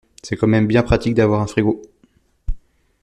C’est quand même bien pratique d’avoir un frigo.